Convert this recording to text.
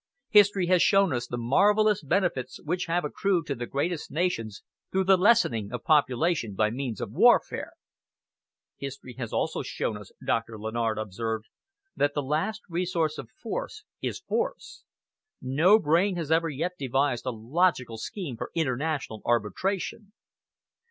History has shown us the marvellous benefits which have accrued to the greatest nations through the lessening of population by means of warfare." "History has also shown us," Doctor Lennard observed, "that the last resource of force is force. No brain has ever yet devised a logical scheme for international arbitration."